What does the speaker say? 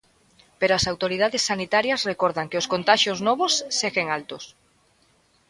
Pero as autoridades sanitarias recordan que os contaxios novos seguen altos.